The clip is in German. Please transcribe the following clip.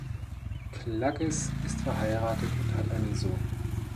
Klagges ist verheiratet und hat einen Sohn.